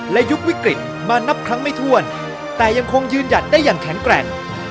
และยุบวิกฤตมานับครั้งไม่ถ้วนแต่ยังคงยืนหยัดได้อย่างแข็งแกร่ง